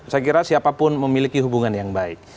saya kira siapapun memiliki hubungan yang baik